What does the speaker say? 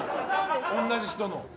同じ人の。